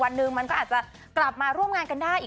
หนึ่งมันก็อาจจะกลับมาร่วมงานกันได้อีก